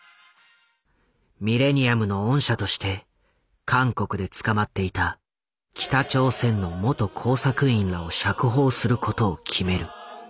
ミレニアムの恩赦として韓国で捕まっていた北朝鮮の元工作員らを釈放することを決める。